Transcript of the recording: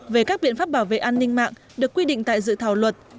về các biện pháp bảo vệ an ninh mạng được quy định tại dự thảo luật